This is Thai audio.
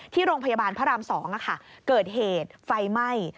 ที่โรงพยาบาลพระราม๒เกิดเหตุไฟไหม้